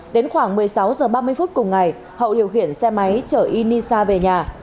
đến khoảng một mươi sáu h ba mươi phút cùng ngày hậu điều khiển xe máy chở ini xa về nhà